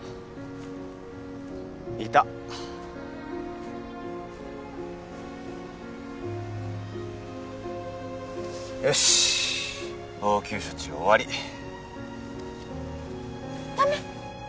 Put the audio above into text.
いたよし応急処置終わりだめ！